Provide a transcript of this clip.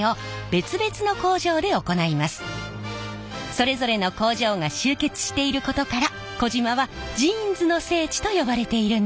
それぞれの工場が集結していることから児島は「ジーンズの聖地」と呼ばれているんです！